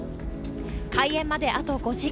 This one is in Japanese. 開演まであと５時間。